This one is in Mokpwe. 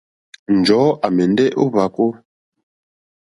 Njɔ̀ɔ́ à mɛ̀ndɛ́ ó hwàkó.